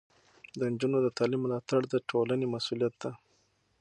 د نجونو د تعلیم ملاتړ د ټولنې مسؤلیت دی.